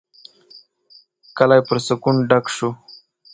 کلی پر سکون ډک شو.